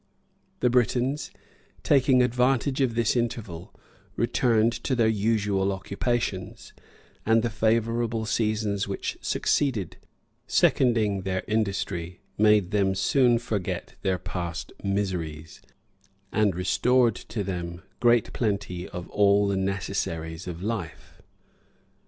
[*][* Alured. Beverl, p. 45.] The Britons, taking advantage of this interval, returned to their usual occupations; and the favorable seasons which succeeded, seconding their industry, made them soon forget their past miseries, and restored to them great plenty of all the necessaries of life.